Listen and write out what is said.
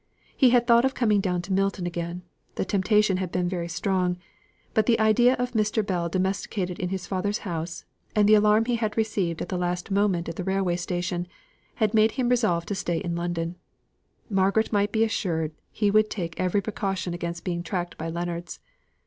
He had thought of coming down to Milton again; the temptation had been very strong; but the idea of Mr. Bell domesticated in his father's house, and the alarm he had received at the last moment at the railway station, had made him resolve to stay in London. Margaret might be assured he would take every precaution against being tracked by Leonards.